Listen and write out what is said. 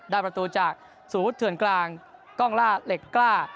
ได้ประตูจากสู่ทวนกลางกล้องล่าเหล็กกล้า